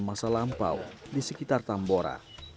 masa lampau di sekitar tambora